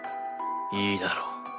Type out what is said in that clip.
いいだろう